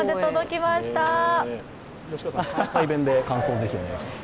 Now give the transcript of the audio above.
吉川さん、関西弁で感想、ぜひお願いします。